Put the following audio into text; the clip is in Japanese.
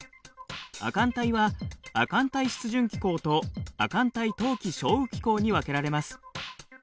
亜寒帯は亜寒帯湿潤気候と亜寒帯冬季少雨気候に分けられます。